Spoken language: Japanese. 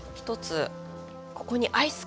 ここにアイスを？